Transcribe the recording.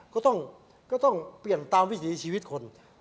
ก็ต้องเปลี่ยนตามวิถีชีวิตคน